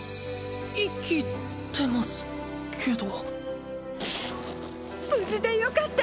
生きてますけど無事でよかった